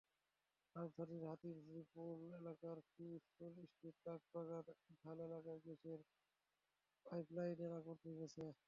রাজধানীর হাতিরপুল এলাকার free school street Kathalbagan Dhal এলাকায় গ্যাসের পাইপলাইনের আগুন নিভেছে।